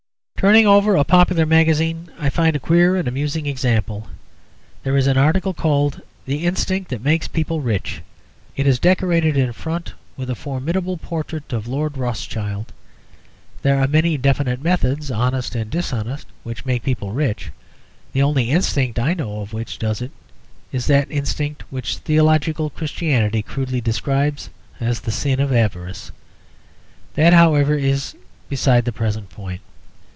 Turning over a popular magazine, I find a queer and amusing example. There is an article called "The Instinct that Makes People Rich." It is decorated in front with a formidable portrait of Lord Rothschild. There are many definite methods, honest and dishonest, which make people rich; the only "instinct" I know of which does it is that instinct which theological Christianity crudely describes as "the sin of avarice." That, however, is beside the present point.